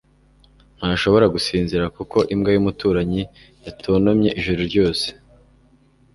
ntashobora gusinzira kuko imbwa yumuturanyi yatontomye ijoro ryose